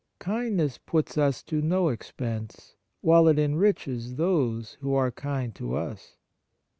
Kindness puts us to no expense, while it enriches those who are kind to us.